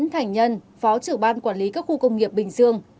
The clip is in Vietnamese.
phó trưởng ban quản lý các khu công nghiệp bình dương